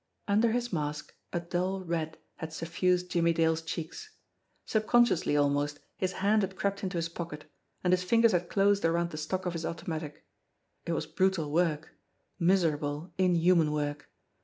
Under his mask a dull red had suffused Jimmie Dale's eheeks ; subconsciously almost his hand had crept into his pocket, and his fingers had closed around the stock of his automatic. It was brutal work ; miserable, inhuman work.